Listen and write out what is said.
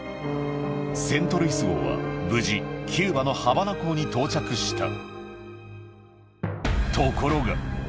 セントルイス号は無事、キューバのハバナ港に到着した。